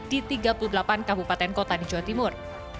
di tiga puluh delapan kabupaten kota di jawa timur